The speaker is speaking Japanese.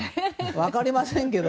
分かりませんけど。